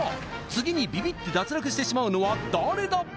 次にビビって脱落してしまうのは誰だ？